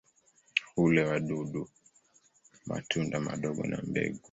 Hula wadudu, matunda madogo na mbegu.